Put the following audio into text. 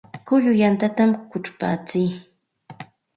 Kulluta yantapa kuchpatsiy